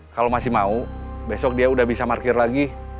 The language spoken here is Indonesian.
kalau masih mau besok dia udah bisa parkir lagi